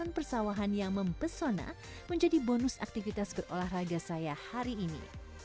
dan persawahan yang mempesona menjadi bonus aktivitas berolahraga saya hari ini